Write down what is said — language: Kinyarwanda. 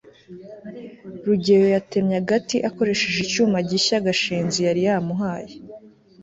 rugeyo yatemye agati akoresheje icyuma gishya gashinzi yari yamuhaye